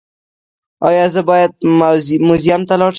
ایا زه باید موزیم ته لاړ شم؟